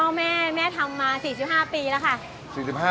แม่ทำมา๔๕ปีแล้วค่ะ